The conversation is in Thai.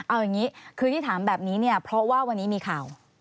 เอาอย่างนี้คือที่ถามแบบนี้เนี่ยเพราะว่าวันนี้มีข่าว